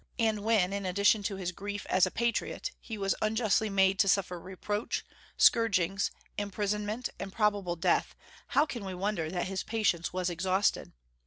And when in addition to his grief as a patriot he was unjustly made to suffer reproach, scourgings, imprisonment, and probable death, how can we wonder that his patience was exhausted?